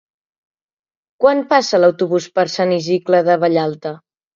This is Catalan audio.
Quan passa l'autobús per Sant Iscle de Vallalta?